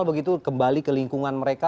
begitu kembali ke lingkungan mereka